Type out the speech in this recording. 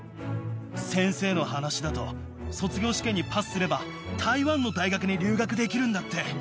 先生の話だと、卒業試験にパスすれば、台湾の大学に留学できるんだって。